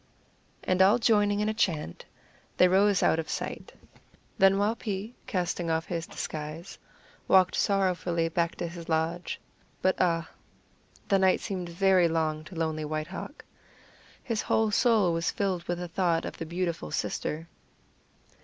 And all joining in a chant, they rose out of sight. Then Waupee, casting off his disguise, walked sorrowfully back to his lodge but ah, the night seemed very long to lonely White Hawk! His whole soul was filled with the thought of the beautiful sister.